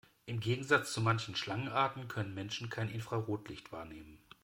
Im Gegensatz zu manchen Schlangenarten können Menschen kein Infrarotlicht wahrnehmen.